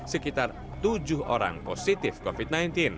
sekitar tujuh orang positif covid sembilan belas